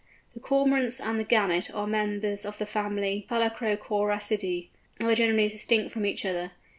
The Cormorants and the Gannet are members of the family Phalacrocoracidæ, although generically distinct from each other.